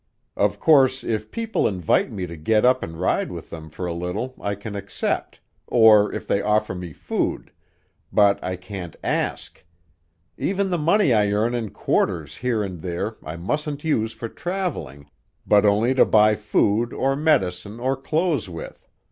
"Of course, if people invite me to get up and ride with them for a little I can accept, or if they offer me food, but I can't ask. Even the money I earn in quarters here and there I mustn't use for traveling, but only to buy food or medicine or clothes with.